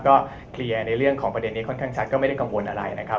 ก็เคลียร์ในเรื่องของประเด็นนี้ค่อนข้างชัดก็ไม่ได้กังวลอะไรนะครับ